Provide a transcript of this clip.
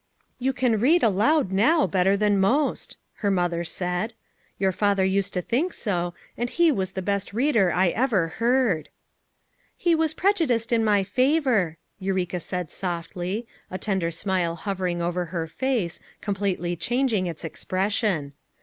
"You can read aloud now better than most," her mother said. "Your father used to think so, and he was the best reader I ever heard." "He was prejudiced in my favor," Eureka said softly, a tender smile hovering over her SO FOUR MOTHERS AT CHAUTAUQUA face, completely changing its expression.